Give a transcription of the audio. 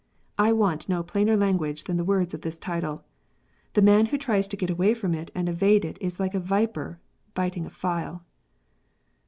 I want no plainer language than the words of this title. The man who tries to get away from it and evade it is like a viper biting a file.